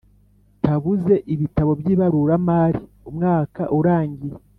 Tabuze ibitabo by’ibaruramari umwaka urangiye